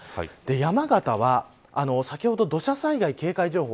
山形は先ほど土砂災害警戒情報